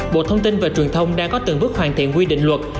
bộ thông tin và truyền thông đang có từng bước hoàn thiện quy định luật